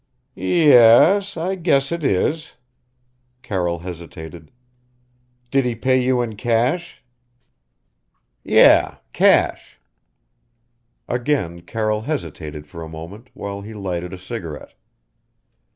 "Ye e es, I guess it is." Carroll hesitated. "Did he pay you in cash?" "Yeh cash." Again Carroll hesitated for a moment, while he lighted a cigarette.